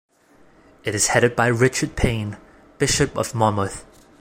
It is headed by Richard Pain, Bishop of Monmouth.